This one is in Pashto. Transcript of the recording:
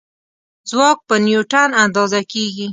ځواک په نیوټن اندازه کېږي.